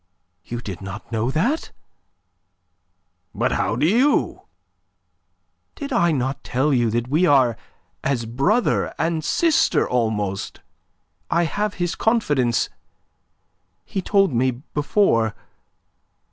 "You did not know that?" "But how do you?" "Did I not tell you that we are as brother and sister almost? I have his confidence. He told me, before...